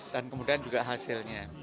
dan kemudian juga hasilnya